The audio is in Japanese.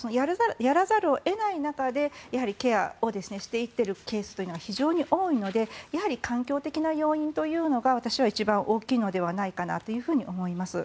やらざるを得ない中でケアをしていっているケースというのが非常い多いので環境的な要因というのが私は一番大きいのではないかと思います。